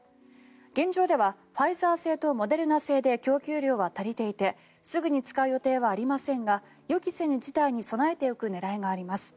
現状ではファイザー製とモデルナ製で供給量は足りていてすぐに使う予定はありませんが予期せぬ事態に備えておく狙いがあります。